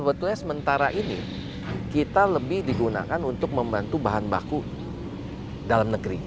sebetulnya sementara ini kita lebih digunakan untuk membantu bahan baku dalam negeri